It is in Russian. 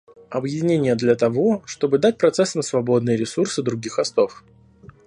Объединение для того, чтобы дать процессам свободные ресурсы других хостов